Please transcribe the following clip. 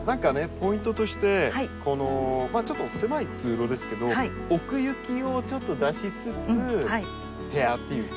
ポイントとしてちょっと狭い通路ですけど奥行きをちょっと出しつつペアっていうか。